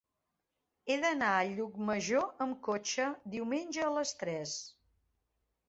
He d'anar a Llucmajor amb cotxe diumenge a les tres.